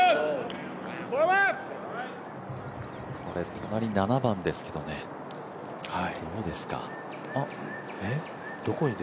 隣、７番ですけどね、どうですか。